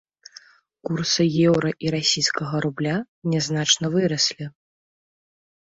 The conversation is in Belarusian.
Курсы еўра і расійскага рубля нязначна выраслі.